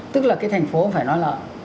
tức là cái thành phố phải nói là